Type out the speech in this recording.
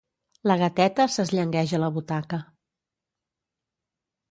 La gateta s'esllangueix a la butaca.